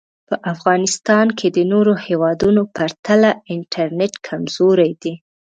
په افغانیستان کې د نورو هېوادونو پرتله انټرنټ کمزوری دی